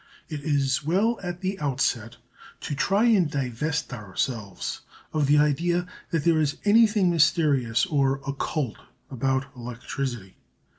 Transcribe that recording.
It is well at the outset to try and divest ourselves of the idea that there is anything mysterious or occult about electricity.